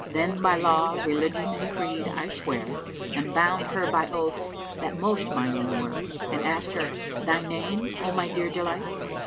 Then by law, religion and creed I sware, And bound her by oaths that most binding were; And asked her, 'Thy name, O my dear delight?'